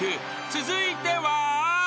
続いては］